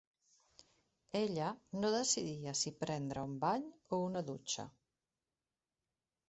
Ella no decidia si prendre un bany o una dutxa.